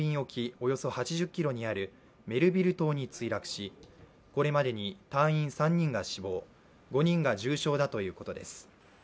およそ８０ｋｍにあるメルビル島に墜落し、これまでに隊員３人が死亡５人が重傷だということです。